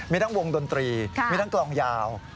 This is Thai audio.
มีทั้งวงดนตรีมีทั้งกลองยาว